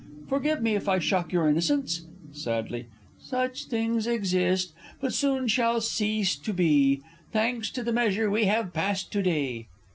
_ Forgive me if I shock your innocence! (Sadly.) Such things exist but soon shall cease to be, Thanks to the measure we have passed to day!